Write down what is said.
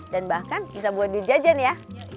dan bahkan bisa buat dijajan ya